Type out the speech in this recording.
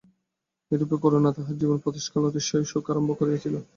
এইরূপে করুণা তাহার জীবনের প্রত্যুষকাল অতিশয় সুখে আরম্ভ করিয়াছিল।